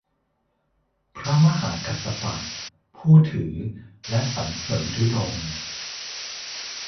พระมหากัสสปะ ผู้ถือและสรรเสิรญธุดงค์